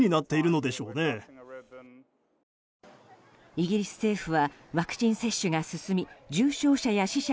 イギリス政府はワクチン接種が進み重症者